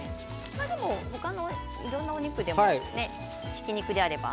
他のいろんなお肉でもねひき肉であれば。